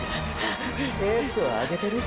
“ペースをあげてる”？